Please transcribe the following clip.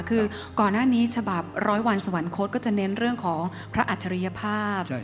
คือก่อนหน้านี้จบาป๑๐๐วันสวรรค์โคตรก็จะเน้นเรื่องของพระอัธิรยภาพ